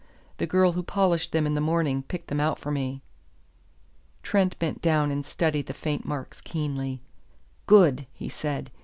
The girl who polished them in the morning picked them out for me." Trent bent down and studied the faint marks keenly. "Good!" he said.